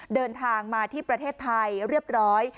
เดินทางมาที่ประเทศไทยเรียบร้อย